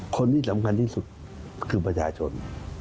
คนที่สำคัญที่สุดคือประชาชน